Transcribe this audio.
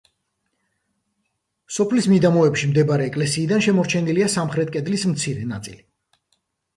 სოფლის მიდამოებში მდებარე ეკლესიიდან შემორჩენილია სამხრეთი კედლის მცირე ნაწილი.